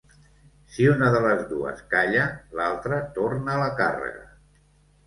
Si una de les dues calla l'altra torna a la càrrega.